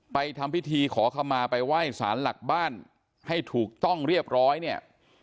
ทำพิธีขอขมาไปไหว้สารหลักบ้านให้ถูกต้องเรียบร้อยเนี่ย